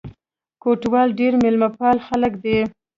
کوټوال ډېر مېلمه پال خلک دي.